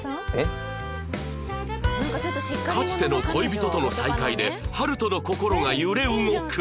かつての恋人との再会で晴翔の心が揺れ動く！？